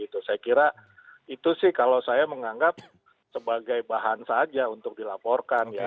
saya kira itu sih kalau saya menganggap sebagai bahan saja untuk dilaporkan ya